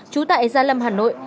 chú tại gia lâm hà nội